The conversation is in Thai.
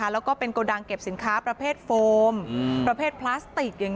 แล้วก็เป็นโกดังเก็บสินค้าประเภทโฟมประเภทพลาสติก